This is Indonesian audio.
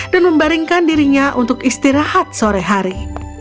dan membaringkan dirinya untuk istirahat sore hari